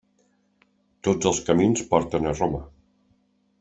Tots els camins porten a Roma.